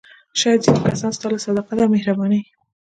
شاید ځینې کسان ستا له صداقت او مهربانۍ.